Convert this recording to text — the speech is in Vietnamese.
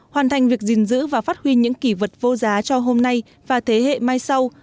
hoàn thành việc gìn giữ và phát huy những kỷ vật vô giá cho hôm nay và thế hệ mai sau